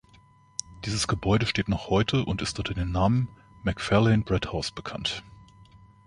Dieses Gebäude steht noch heute und ist unter dem Namen Macfarlane Bredt House bekannt.